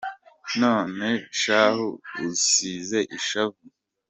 None shahu usize ishavu